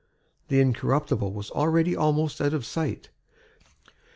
The Incorruptible was already almost out of sight.